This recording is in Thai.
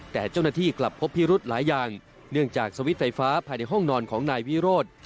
แต่เจ้าหน้าที่กลับพบพิรุธหลายอย่างเนื่องจากสวิตช์ไฟฟ้าภายในห้องนอนของนายวิโรธ